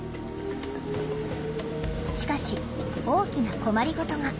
しかし大きな困り事が。